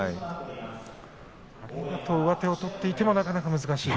あれだと上手を取っていてもなかなか難しい。